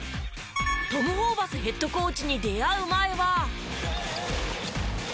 トム・ホーバスヘッドコーチに出会う前は。